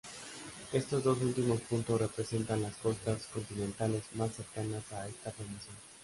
Estos dos últimos puntos representan las costas continentales más cercanas a esta formación.